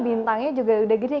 bintangnya juga udah gede